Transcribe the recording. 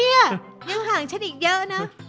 ยังห่างฉันอีกเยอะนะ